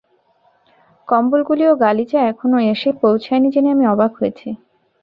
কম্বলগুলি ও গালিচা এখনও এসে পৌঁছয়নি জেনে আমি অবাক হয়েছি।